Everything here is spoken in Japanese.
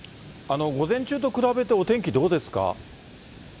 午前中と比べて、お天気どうですか。